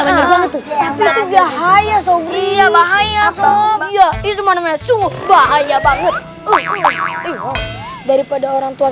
kayak banget itu bahaya sobrini bahaya sobat itu mana sungguh bahaya banget dari pada orang tua